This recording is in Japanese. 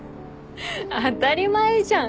当たり前じゃん。